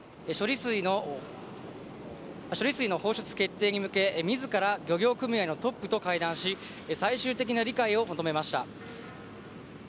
処理水の放出決定に向け、みずから漁業組合のトップと会談し、最終的な理解を求めました。